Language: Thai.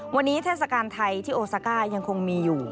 วันนี้เทศกาลไทยที่โอซาก้ายังคงมีอยู่